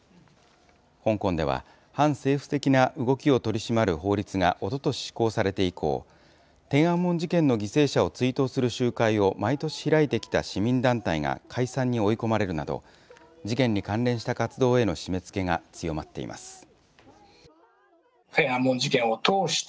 香港では、反政府的な動きを取り締まる法律がおととし施行されて以降、天安門事件の犠牲者を追悼する集会を毎年開いてきた市民団体が解散に追い込まれるなど、事件に関連した活動への締めつけが強まっています。